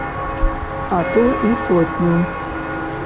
А то і сотню.